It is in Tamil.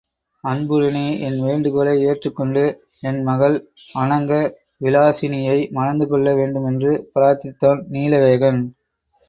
அன்புடனே என் வேண்டுகோளை ஏற்றுக்கொண்டு, என் மகள் அநங்க விலாசினியை மணந்துகொள்ள வேண்டும் என்று பிரார்த்தித்தான் நீலவேகன்.